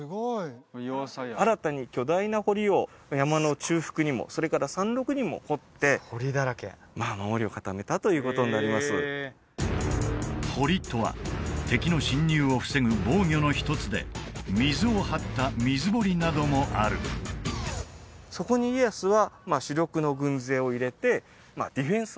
新たに巨大な堀を山の中腹にもそれから山麓にも掘って堀だらけということになります堀とは敵の侵入を防ぐ防御の一つで水を張った水堀などもあるそこにいくらですね